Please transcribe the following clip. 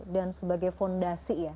dan sebagai fondasi ya